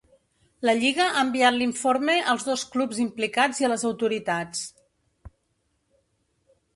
La lliga ha enviat l’informe als dos clubs implicats i a les autoritats.